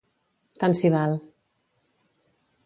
Tant s'hi val.